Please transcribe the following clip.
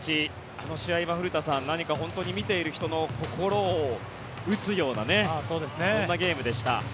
あの試合は古田さん何か本当に見ている人の心を打つようなそんなゲームでした。